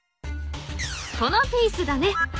［このピースだね］